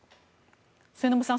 末延さん